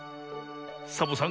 サボさん